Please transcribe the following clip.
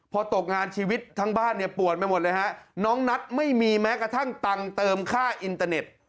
พอตกงานชีวิตทั้งบ้านเนี่ยปวดไปหมดเลยฮะน้องนัทไม่มีแม้กระทั่งตังค์เติมค่าอินเตอร์เน็ต